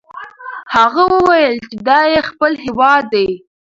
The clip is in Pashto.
هغه وویل چې دا یې خپل هیواد دی.